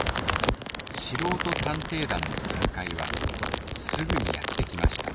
素人探偵団の限界はすぐにやってきました